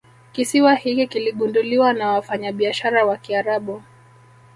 Kisiwa hiki kiligunduliwa na wafanyabiashara wa kiarabu